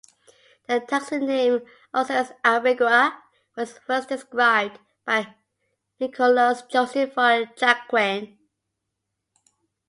The taxon name "Oxalis ambigua" was first described by Nikolaus Joseph von Jacquin.